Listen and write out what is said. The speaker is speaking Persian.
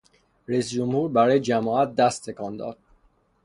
رئیس جمهور برای جماعت دست تکان داد.